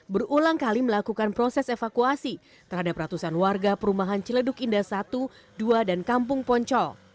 berulang kali melakukan proses evakuasi terhadap ratusan warga perumahan celeduk indah satu dua dan kampung poncol